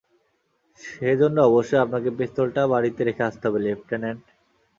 সেজন্য অবশ্যই আপনাকে পিস্তলটা বাড়িতে রেখে আসতে হবে, লেফট্যানান্ট।